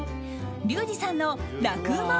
リュウジさんの楽ウマ！